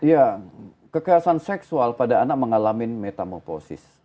ya kekerasan seksual pada anak mengalami metamoposis